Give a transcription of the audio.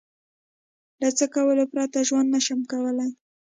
له څه کولو پرته ژوند نشم کولای؟